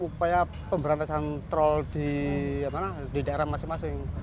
upaya pemberantasan troll di daerah masing masing